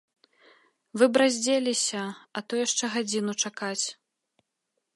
Вы б раздзеліся, а то яшчэ гадзіну чакаць.